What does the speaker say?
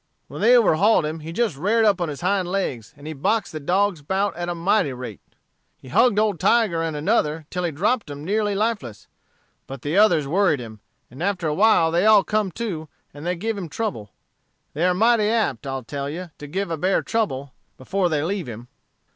When they overhauled him he just rared up on his hind legs, and he boxed the dogs 'bout at a mighty rate. He hugged old Tiger and another, till he dropped 'em nearly lifeless; but the others worried him, and after a while they all come to, and they give him trouble. They are mighty apt, I tell you, to give a bear trouble before they leave him.